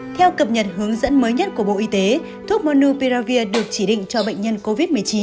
theo cập nhật hướng dẫn mới nhất của bộ y tế thuốc monu piravir được chỉ định cho bệnh nhân covid một mươi chín